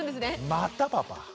「また？パパ」。